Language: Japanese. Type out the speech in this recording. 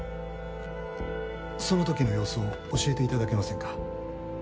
その時の様子を教えて頂けませんか？